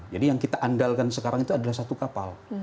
jadi yang kita andalkan sekarang itu adalah satu kapal